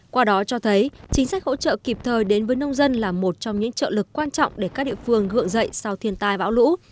qua đó cho thấy chính sách hỗ trợ kịp thời đến với nông dân là một trong những trợ lực quan trọng để các địa phương gượng dậy sau thiên tai bão lũ